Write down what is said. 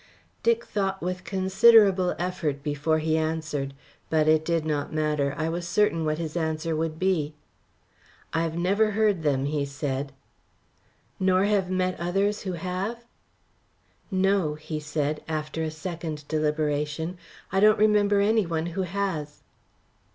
Dick thought with considerable effort before he answered. But it did not matter; I was certain what his answer would be. "I have never heard them," he said. "Nor have met others who have?" "No," said he, after a second deliberation, "I don't remember any one who has."